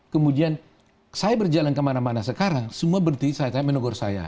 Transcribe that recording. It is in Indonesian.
kemudian saya berjalan ke mana mana sekarang semua berarti saya menunggu saya